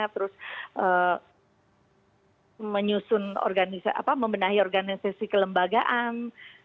terus menyusun organisasi membenahi organisasi kelembagaan